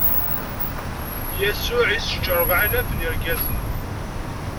Yasuɛ issečč ṛebɛalaf n yirgazen.